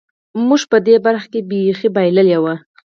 موږ په دې برخه کې بېخي بایللې وه.